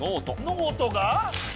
ノートが？